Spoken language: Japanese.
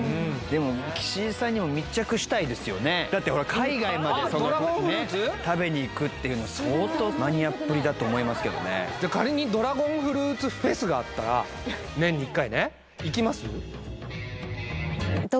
でも岸井さんにも密着したいですよねだってほら海外まで食べにいくっていうの相当マニアっぷりだと思いますけどね仮にドラゴンフルーツフェスがあったら年に一回ね行きます？